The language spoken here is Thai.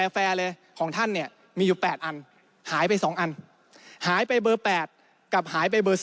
แฟร์เลยของท่านเนี่ยมีอยู่๘อันหายไป๒อันหายไปเบอร์๘กับหายไปเบอร์๔